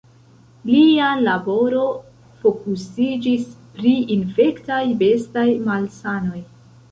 Lia laboro fokusiĝis pri infektaj bestaj malsanoj.